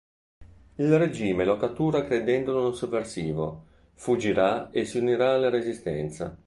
Il regime lo cattura credendolo un sovversivo; fuggirà e si unirà alla resistenza.